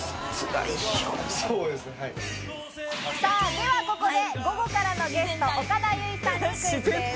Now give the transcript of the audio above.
ではここで、午後からのゲスト、岡田結実さんにクイズです。